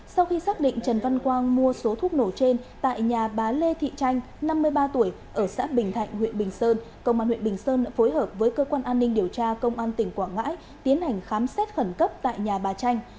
sau khi xác định trần văn quang mua số thuốc nổ trên tại nhà bà lê thị tranh năm mươi ba tuổi ở xã bình thạnh huyện bình sơn công an huyện bình sơn đã phối hợp với cơ quan an ninh điều tra công an tỉnh quảng ngãi tiến hành khám xét khẩn cấp tại nhà bà tranh